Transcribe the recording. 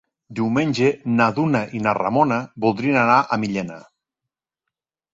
Diumenge na Duna i na Ramona voldrien anar a Millena.